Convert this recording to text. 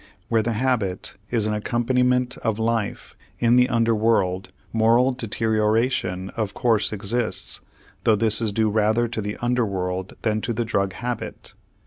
Where the habit is an accompaniment of life in the under world, moral deterioration of course exists, though this is due rather to the under world than to the drug habit.